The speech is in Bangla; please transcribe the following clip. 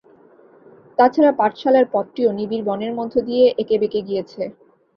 তাছাড়া পাঠশালার পথটিও নিবিড় বনের মধ্য দিয়ে একেবেঁকে গিয়েছে।